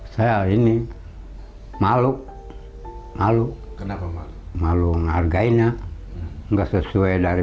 kalau mahal amat karena tidak